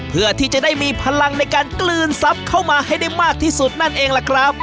เพื่อที่จะได้มีพลังในการกลืนทรัพย์เข้ามาให้ได้มากที่สุดนั่นเองล่ะครับ